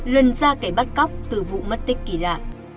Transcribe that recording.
lần ra kẻ bắt cóc từ vụ mất tích kỳ lạ